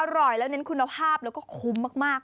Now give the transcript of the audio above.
อร่อยแล้วเน้นคุณภาพแล้วก็คุ้มมาก